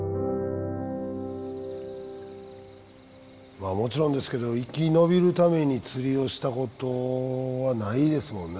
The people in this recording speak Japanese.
まあもちろんですけど生き延びるために釣りをしたことはないですもんね。